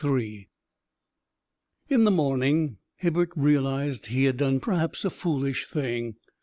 III In the morning Hibbert realised he had done, perhaps, a foolish thing.